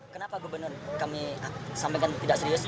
kenapa gubernur kami sampaikan tidak serius